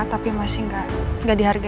tapi masih gak dihargain